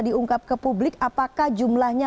diungkap ke publik apakah jumlahnya